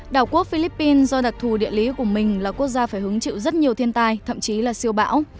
đảo quốc philippines do đặc thù địa lý của mình là quốc gia phải hứng chịu rất nhiều thiên tai thậm chí là siêu bão